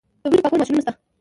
د وریجو پاکولو ماشینونه شته